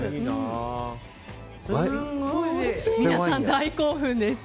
皆さん大興奮です。